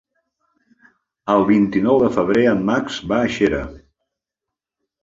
El vint-i-nou de febrer en Max va a Xera.